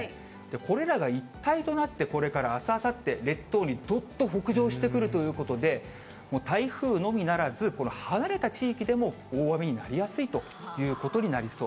これらが一体となって、これから、あす、あさって、列島にどっと北上してくるということで、もう台風のみならず、この離れた地域でも大雨になりやすいということです。